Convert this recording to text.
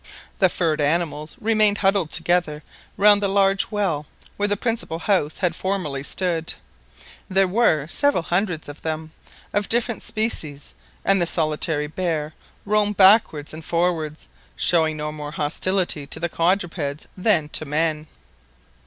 The furred animals remained huddled together round the large well where the principal house had formerly stood. There were several hundreds of them, of different species, and the solitary bear roamed backwards and forwards, showing no more hostility to the quadrupeds than to men.